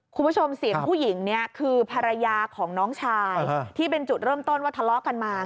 คุณผู้ชมเสียงผู้หญิงเนี่ยคือภรรยาของน้องชายที่เป็นจุดเริ่มต้นว่าทะเลาะกันมา